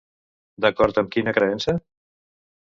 D'acord amb quina creença?